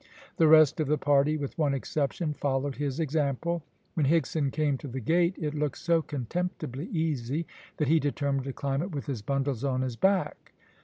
The rest of the party, with one exception, followed his example. When Higson came to the gate it looked so contemptibly easy that he determined to climb it with his bundles on his back.